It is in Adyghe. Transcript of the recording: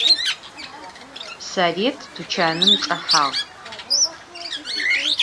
Sarıêt tuçanım çç'ehağ.